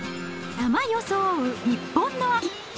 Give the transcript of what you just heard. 山装う日本の秋。